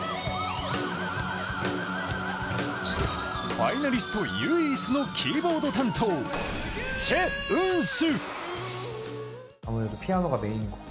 ファイナリスト唯一のキーボード担当、チェ・ウンス。